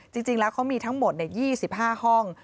จริงแล้วเขามีทั้งหมด๒๕ห้อง